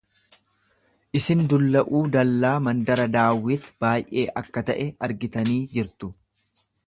Isin dulla'uu dallaa mandara Daawit baay'ee akka ta'e argitanii jirtu.